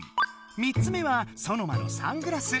３つ目はソノマのサングラス。